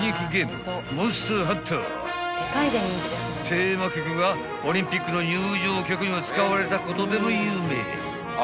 ［テーマ曲がオリンピックの入場曲にも使われたことでも有名］